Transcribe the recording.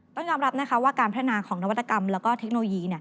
ต้องรับว่าการพัฒนาของนวัตกรรมแล้วก็เทคโนโลยี